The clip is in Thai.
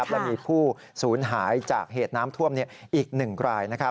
และมีผู้สูญหายจากเหตุน้ำท่วมอีก๑ราย